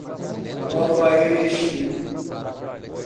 Nova Erechim